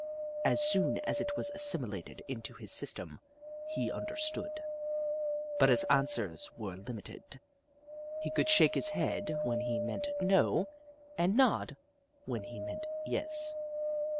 As soon as it was assimilated into his system, he understood, but his answers were limited. He could shake his head when he meant "no" and nod when he meant "yes."